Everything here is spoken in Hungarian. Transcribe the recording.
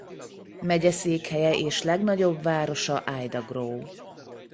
Megyeszékhelye és legnagyobb városa Ida Grove.